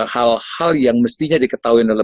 hal hal yang mestinya diketahui oleh